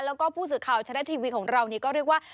แล้วก็ผู้สื่อข่าวชะละทีวีของเรานี่ก็เรียกว่า